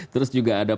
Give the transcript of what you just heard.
terus juga ada